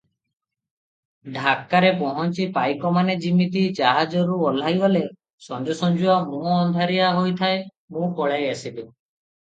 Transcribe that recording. ଢାକାରେ ପହଞ୍ଚି ପାଇକମାନେ ଯିମିତି ଜାହାଜରୁ ଓହ୍ଲାଇଗଲେ, ସଞ୍ଜସଞ୍ଜୁଆ ମୁହଁଅନ୍ଧାରିଆ ହୋଇଥାଏ ମୁଁ ପଳାଇ ଆସିଲି ।